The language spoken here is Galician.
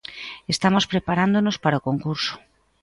Estamos preparándonos para o concurso...